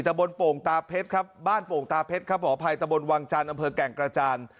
บนโป่งตาเพชรครับบ้านโป่งตาเพชรครับขออภัยตะบนวังจันทร์อำเภอแก่งกระจาน